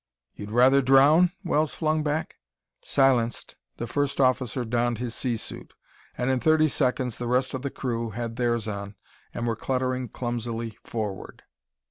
"You'd rather drown?" Wells flung back. Silenced, the first officer donned his sea suit, and in thirty seconds the rest of the crew had theirs on and were cluttering clumsily forward.